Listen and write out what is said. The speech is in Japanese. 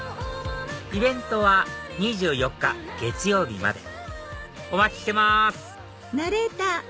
イベントは２４日月曜日までお待ちしてます